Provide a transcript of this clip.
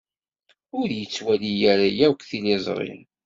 Ur yettwali ara akk tiliẓri.